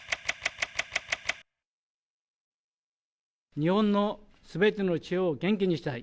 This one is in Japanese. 日本のすべての地方を元気にしたい。